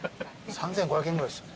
３，５００円ぐらいする。